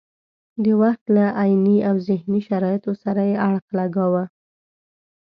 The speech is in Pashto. د وخت له عیني او ذهني شرایطو سره یې اړخ لګاوه.